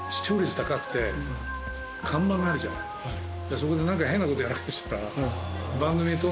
そこで何か変なことやらかしたら。